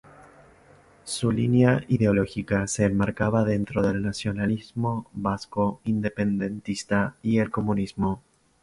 Su línea ideológica se enmarcaba dentro del nacionalismo vasco independentista y el comunismo.